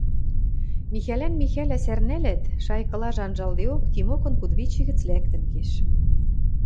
Михӓлӓн Михӓлӓ сӓрнӓлят, шайыкылажы анжалдеок, Тимокын кудывичӹ гӹц лӓктӹн кеш.